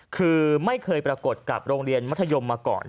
คือไม่เคยปรากฏกับโรงเรียนมัธยมมาก่อน